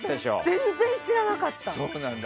全然知らなかった。